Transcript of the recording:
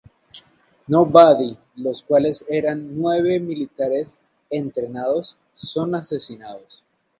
Nobody, los cuales eran nueve militares entrenados, son asesinados.